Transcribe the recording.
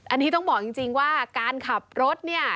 อันนี้ต้องบอกจริงว่าการขับรถเนี่ย